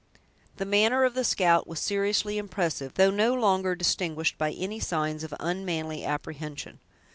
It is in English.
The manner of the scout was seriously impressive, though no longer distinguished by any signs of unmanly apprehension.